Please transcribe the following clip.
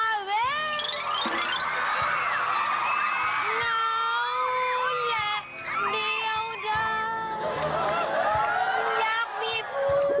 เหงาแหงเดียวด้านอยากมีผู้